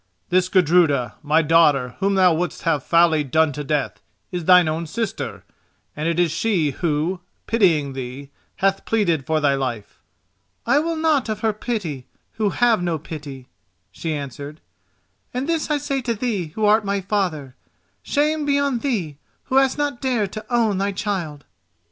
"This Gudruda, my daughter, whom thou wouldst have foully done to death, is thine own sister, and it is she who, pitying thee, hath pleaded for thy life." "I will naught of her pity who have no pity," she answered; "and this I say to thee who art my father: shame be on thee who hast not dared to own thy child!"